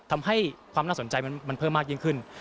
ทำให้ความน่าสนใจมันเพิ่มมากยิ่งขึ้น